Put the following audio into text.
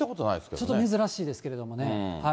ちょっと珍しいですけれどもね。